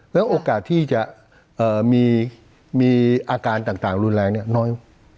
แล้วโอกาสที่จะมีอาการต่างรุนแรงน้อย